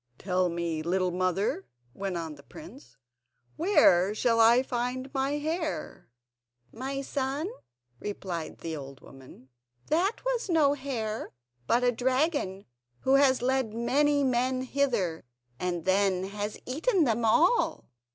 "Tell me, little mother," went on the prince, "where shall I find my hare?" "My son," replied the old woman, "that was no hare, but a dragon who has led many men hither, and then has eaten them all."